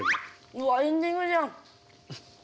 うわエンディングじゃん。